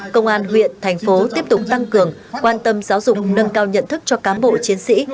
công an huyện thành phố tiếp tục tăng cường quan tâm giáo dục nâng cao nhận thức cho cám bộ chiến sĩ